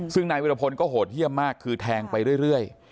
ซึ่งนายวิรพลก็โหดเยี่ยมมากคือแทงไปเรื่อย